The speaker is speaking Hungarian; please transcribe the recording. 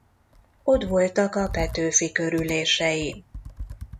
Ott voltak a Petőfi Kör ülésein.